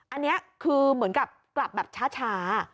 อันนี้คือเหมือนกับกลับแบบช้า